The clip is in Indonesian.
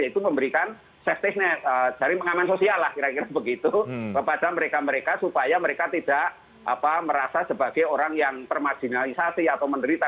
yaitu memberikan safety net jaring pengaman sosial lah kira kira begitu kepada mereka mereka supaya mereka tidak merasa sebagai orang yang permarginalisasi atau menderita